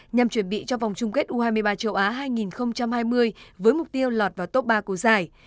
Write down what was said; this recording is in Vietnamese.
nhằm chuẩn bị cho vòng chung kết u hai mươi ba châu á hai nghìn hai mươi với mục tiêu lọt vào top ba của giải